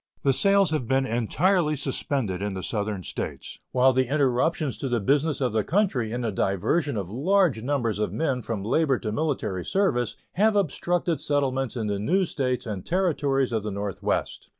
The sales have been entirely suspended in the Southern States, while the interruptions to the business of the country and the diversion of large numbers of men from labor to military service have obstructed settlements in the new States and Territories of the Northwest.